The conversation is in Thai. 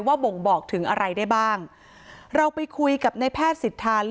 บ่งบอกถึงอะไรได้บ้างเราไปคุยกับในแพทย์สิทธาลิ